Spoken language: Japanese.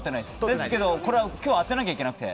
ですけど今日は当てなきゃいけなくて。